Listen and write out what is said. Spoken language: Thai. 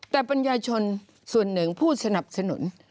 แต่ปัญญาชนส่วนหนึ่งผู้สนับสนุน